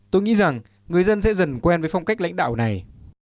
tôi nghĩ rằng người dân sẽ dần quen với phong cách lãnh đạo này